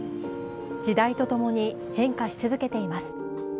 時代とともに変化し続けています。